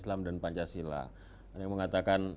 press yang most interesting port lainonn yang terlihat di sini ya